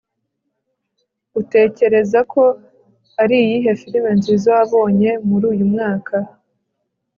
utekereza ko ari iyihe filime nziza wabonye muri uyu mwaka